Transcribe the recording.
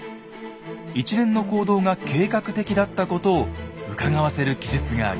一連の行動が計画的だったことをうかがわせる記述があります。